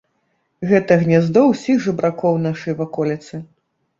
Гэта гняздо ўсіх жабракоў нашай ваколіцы.